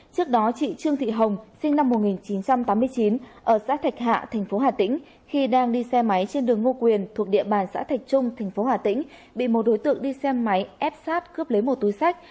trước đó chị trương thị hồng sinh năm một nghìn chín trăm tám mươi chín ở xã thạch hạ thành phố hà tĩnh khi đang đi xe máy trên đường ngô quyền thuộc địa bàn xã thạch trung tp hà tĩnh bị một đối tượng đi xe máy ép sát cướp lấy một túi sách